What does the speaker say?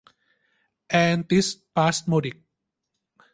แอนติสปาสโมดิก